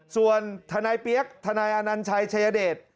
ส่วนทนายเปี๊ยกทนายอนัญชัยชายเดช